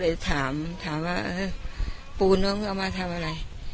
ไม่ไม่แต่ว่าก็เลยถามถามว่าปูน้องเอามาทำอะไร